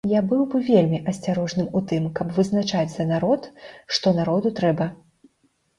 Я быў бы вельмі асцярожным ў тым, каб вызначаць за народ, што народу трэба.